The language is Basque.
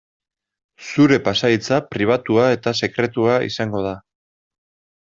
Zure pasahitza pribatua eta sekretua izango da.